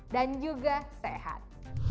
dan juga sehat